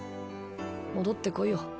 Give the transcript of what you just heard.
戻ってこいよ。